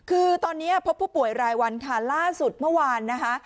คือตอนนี้พบผู้ป่วยรายวันค่ะล่าสุดเมื่อวานนะคะ